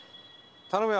頼むよ！